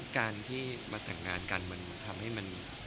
การที่มาแต่งงานกันมันทำให้มัน